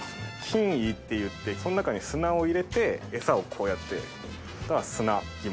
筋胃っていってその中に砂を入れてエサをこうやってが砂肝。